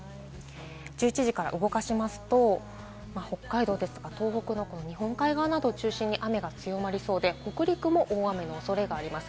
１１時から動かしますと、北海道、東北の日本海側などを中心に雨が強まりそうで北陸も大雨の恐れがあります。